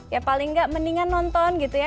ya paling nggak mendingan nonton gitu ya